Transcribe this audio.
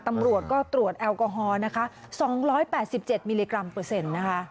ตำรวจก็ตรวจแอลกอฮอล์นะคะ๒๘๗มิลลิกรัมเปอร์เซ็นต์นะคะ